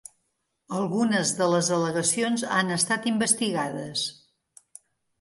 Algunes de les al·legacions han estat investigades.